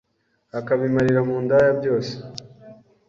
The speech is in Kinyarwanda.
akabimarira mu ndaya byose